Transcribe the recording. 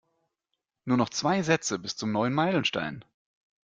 Nur noch zwei Sätze bis zum neuen Meilenstein.